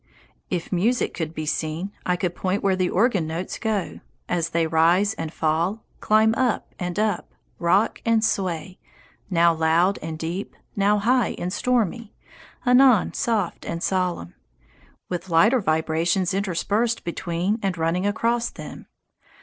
If music could be seen, I could point where the organ notes go, as they rise and fall, climb up and up, rock and sway, now loud and deep, now high and stormy, anon soft and solemn, with lighter vibrations interspersed between and running across them.